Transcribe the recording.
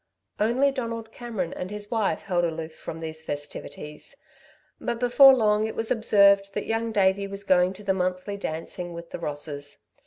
Only Donald Cameron and his wife held aloof from these festivities. But before long it was observed that Young Davey was going to the monthly dancing with the Rosses.